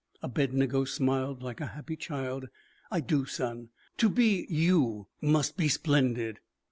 Abednego smiled like a happy child. "I do, son. To be you must be splendid."